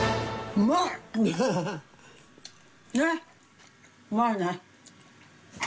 うまいね。